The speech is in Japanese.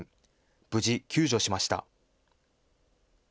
無事救助しました。